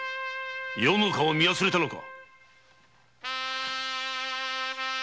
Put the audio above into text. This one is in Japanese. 余の顔を見忘れたのか！？